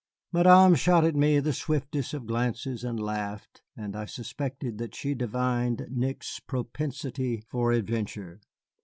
Madame shot at me the swiftest of glances and laughed, and I suspected that she divined Nick's propensity for adventure.